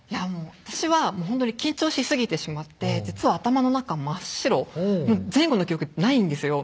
私はほんとに緊張しすぎてしまって実は頭の中真っ白前後の記憶ないんですよ